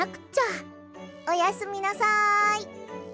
おやすみなさい。